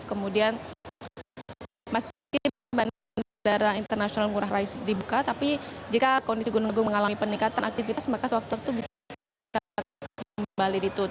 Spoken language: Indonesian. kemudian meski bandara internasional ngurah rai dibuka tapi jika kondisi gunung agung mengalami peningkatan aktivitas maka sewaktu waktu bisa kembali ditutup